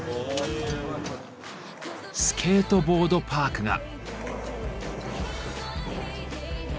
スケートボードパークが。